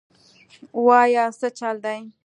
وايه سه چل دې.